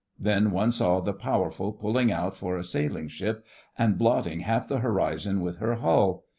Then one saw the Powerful pulling out for a sailing ship, and blotting half the horizon with her hull.